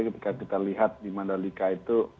ketika kita lihat di mandalika itu